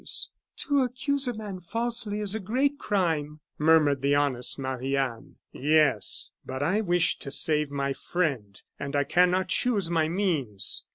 "To accuse a man falsely is a great crime," murmured the honest Marie Anne. "Yes, but I wish to save my friend, and I cannot choose my means.